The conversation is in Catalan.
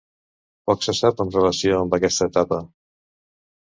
Poc se sap en relació amb aquesta etapa.